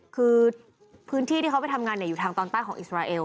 คือพื้นที่ที่เขาไปทำงานอยู่ทางตอนใต้ของอิสราเอล